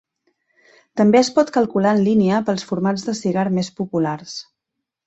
També es pot calcular en línia pels formats de cigar més populars.